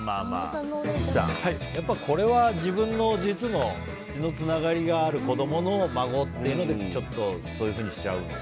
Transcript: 三木さん、これは自分の実の血のつながりがある子供の孫っていうのでそういうふうにしちゃうと。